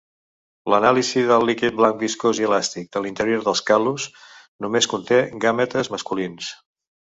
L'anàlisi del líquid blanc viscós i elàstic de l'interior del cal·lus només conté gàmetes masculins.